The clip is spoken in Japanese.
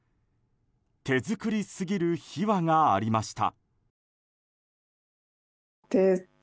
手作りすぎる秘話がありました。